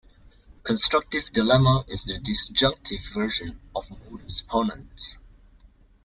Constructive dilemma is the disjunctive version of modus ponens.